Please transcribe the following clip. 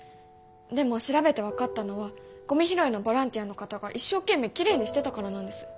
でも調べて分かったのはゴミ拾いのボランティアの方が一生懸命きれいにしてたからなんです。